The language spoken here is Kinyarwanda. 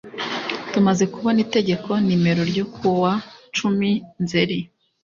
Tumaze kubona Itegeko Nimero ryo kuwa cumi nzeri